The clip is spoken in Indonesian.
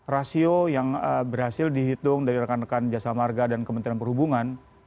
rasio yang berhasil dihitung dari rekan rekan jasa marga dan kementerian perhubungan